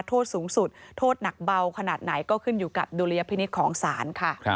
โทษสูงสุดโทษหนักเบาขนาดไหนก็ขึ้นอยู่กับดุลยพินิษฐ์ของศาลค่ะ